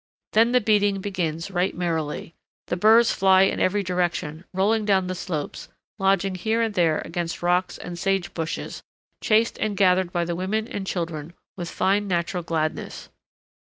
Then the beating begins right merrily, the burs fly in every direction, rolling down the slopes, lodging here and there against rocks and sage bushes, chased and gathered by the women and children with fine natural gladness.